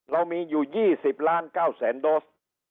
เรามีอยู่๒๐ล้าน๙แสนโดส